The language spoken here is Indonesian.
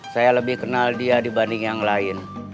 saya lebih kenal dia dibanding yang lain